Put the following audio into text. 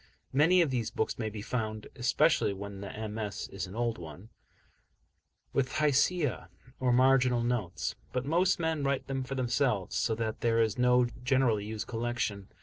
Many of these books may be found especially when the MS. is an old one with Hashiyah, or marginal notes, but most men write them for themselves, so that there is no generally used collection.